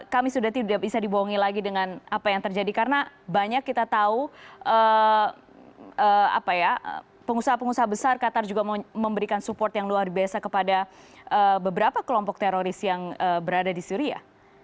kami sudah tidak bisa dibohongi lagi dengan apa yang terjadi karena banyak kita tahu pengusaha pengusaha besar qatar juga memberikan support yang luar biasa kepada beberapa kelompok teroris yang berada di syria